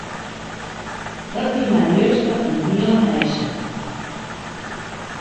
Dat wie my juster in hiele heisa.